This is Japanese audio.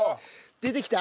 出てきた？